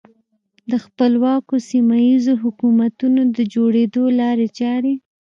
د خپلواکو سیمه ییزو حکومتونو د جوړېدو لارې چارې.